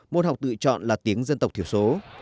môn học tự chọn là tiếng dân tộc thiểu số